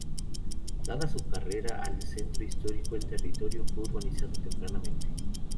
Dada su cercanía al Centro Histórico, el territorio fue urbanizado tempranamente.